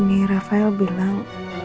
ini rafael bilang